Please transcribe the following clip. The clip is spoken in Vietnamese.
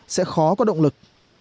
sẽ khó có động lực